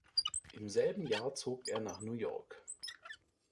Im selben Jahr zog er nach New York.